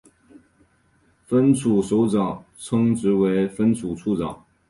分处首长职称为分处处长。